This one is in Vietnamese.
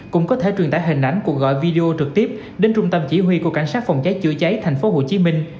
cũng có thể truyền tải hình ảnh của gọi video trực tiếp đến trung tâm chỉ huy của cảnh sát phòng cháy chữa cháy tp hcm